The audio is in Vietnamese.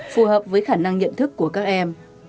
phù hợp với khả năng nhận thức của các em